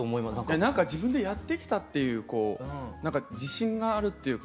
なんか自分でやってきたっていうなんか自信があるっていうか。